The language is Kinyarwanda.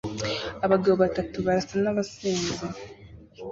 Abagabo batatu barasa nabasinzi